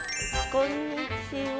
こんにちは。